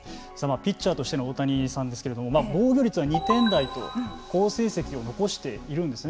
ピッチャーとしての大谷さんですけれども防御率は２点台と好成績を残しているんですよね。